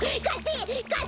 かって！